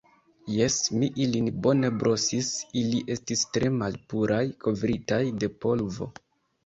Jes, mi ilin bone brosis; ili estis tre malpuraj kovritaj de polvo.